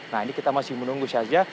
nah ini kita masih menunggu saja